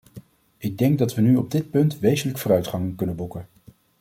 Ik denk dat we nu op dit punt wezenlijk vooruitgang kunnen boeken.